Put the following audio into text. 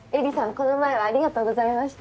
この前はありがとうございました。